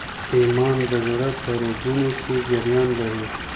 ایمان د زړه په رګونو کي جریان لري.